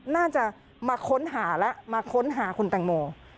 น่าจะมาค้นหาแล้วมาค้นหาคุณแตงโม